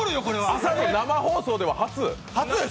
朝の生放送では初？